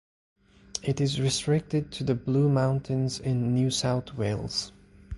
It is restricted to the Blue Mountains in New South Wales.